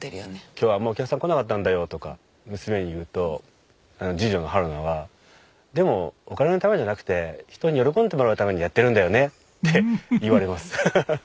「今日あんまりお客さん来なかったんだよ」とか娘に言うと次女の陽奈は「でもお金のためじゃなくて人に喜んでもらうためにやってるんだよね？」って言われますハハハッ。